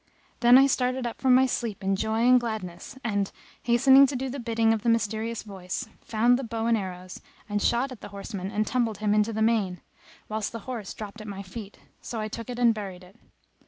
Then I started up from my sleep in joy and gladness and, hastening to do the bidding of the mysterious Voice, found the bow and arrows and shot at the horseman and tumbled him into the main, whilst the horse dropped at my feet; so I took it and buried it.